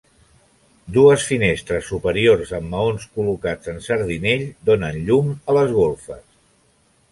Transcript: Dues finestres superiors amb maons col·locats en sardinell, donen llum a les golfes.